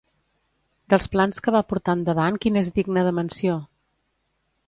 Dels plans que va portar endavant quin és digne de menció?